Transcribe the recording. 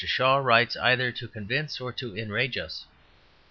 Shaw writes either to convince or to enrage us.